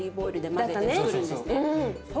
だったね。